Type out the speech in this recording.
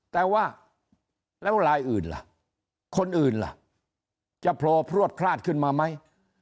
แต่ว่าแล้วลายอื่นล่ะคนอื่นล่ะจะโผล่พลวดพลาดขึ้นมาไหม